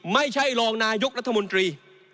ไม่ใช่รองนายกรัฐมนตรี